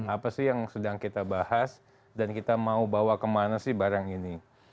apa sih yang sedang kita bahas dan kita mau bawa kemana sih barang ini